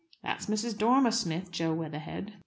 That's Mrs. Dormer Smith, Jo Weatherhead."